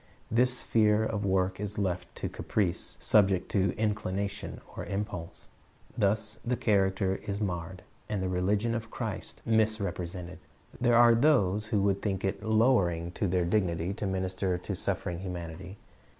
This sphere of work is left to caprice, subject to inclination or impulse. Thus the character is marred, and the religion of Christ misrepresented. There are those who would think it lowering to their dignity to minister to suffering humanity.